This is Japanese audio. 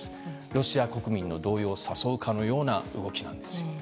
ロシア国民の動揺を誘うかのような動きなんです。